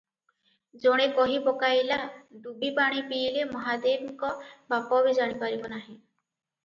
ଜଣେ କହିପକାଇଲା, ଡୁବିପାଣି ପିଇଲେ ମହାଦେବଙ୍କ ବାପ ବି ଜାଣିପାରିବ ନାହିଁ ।